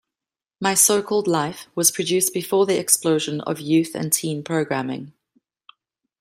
"My So-Called Life" was produced before the explosion of youth and teen programming.